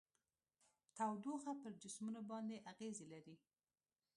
تودوخه پر جسمونو باندې اغیزې لري.